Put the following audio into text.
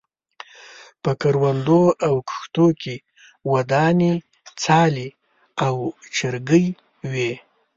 په کروندو او کښتو کې ودانې څالې او چرګۍ وې.